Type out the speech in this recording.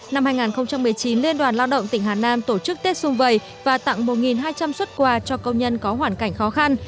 năm hai nghìn một mươi chín liên đoàn lao động tỉnh hà nam tổ chức tết xung vầy và tặng một hai trăm linh xuất quà cho công nhân có hoàn cảnh khó khăn